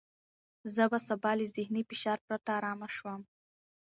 زه به سبا له ذهني فشار پرته ارامه شوم.